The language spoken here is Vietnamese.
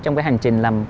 trong cái hành trình